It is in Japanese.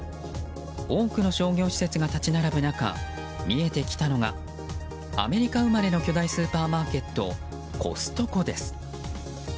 多くの商業施設が立ち並ぶ中見えてきたのがアメリカ生まれの巨大スーパーマーケットコストコです。